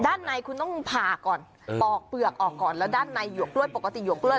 ด้านในคุณต้องผ่าก่อนปอกเปลือกออกก่อนแล้วด้านในหวกกล้วยปกติหวกกล้วย